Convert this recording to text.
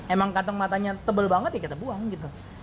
emang kantong matanya tebal banget ya kita buang gitu